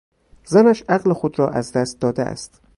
زنش عقل خود را از دست داده است.